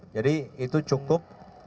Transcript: jadi itu cukup